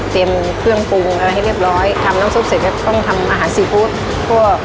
เครื่องปรุงอะไรให้เรียบร้อยทำน้ำซุปเสร็จก็ต้องทำอาหารซีฟู้ดพวก